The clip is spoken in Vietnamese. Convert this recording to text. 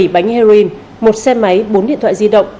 bảy bánh heroin một xe máy bốn điện thoại di động